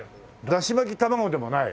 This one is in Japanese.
だし巻き卵でもない。